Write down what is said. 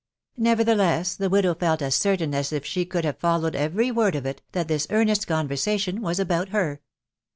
•*. Nevertheless, die widow felt as certain as if *he could 'have followed every mud t>f it, that .this earnest conversation *ras about her.